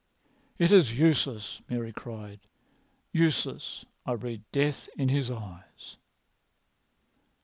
"It is useless!" Mary cried. "Useless! I read death in his eyes."